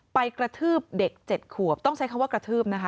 กระทืบเด็ก๗ขวบต้องใช้คำว่ากระทืบนะคะ